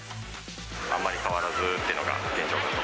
あんまり変わらずっていうのが現状かと。